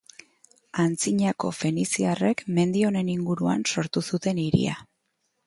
Antzinako feniziarrek mendi honen inguruan sortu zuten hiria.